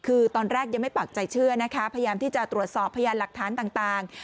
คือตอนแรกยังไม่ปากใจเชื่อนะคะพยายามที่จะตรวจสอบพยานหลักฐานต่าง